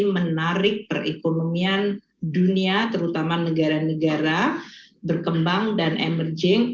menarik perekonomian dunia terutama negara negara berkembang dan emerging